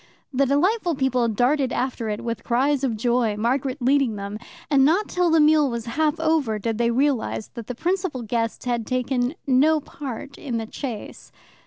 The delightful people darted after it with cries of joy, Margaret leading them, and not till the meal was half over did they realize that the principal guest had taken no part in the chase.